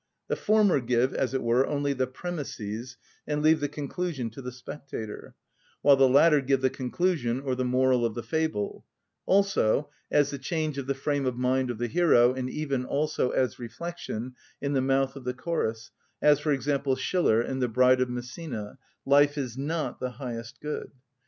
The former give, as it were, only the premisses, and leave the conclusion to the spectator; while the latter give the conclusion, or the moral of the fable, also, as the change of the frame of mind of the hero, and even also as reflection, in the mouth of the chorus, as, for example, Schiller in "The Bride of Messina:" "Life is not the highest good."